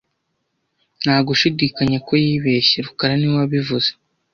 Nta gushidikanya ko yibeshye rukara niwe wabivuze